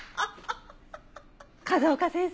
風丘先生？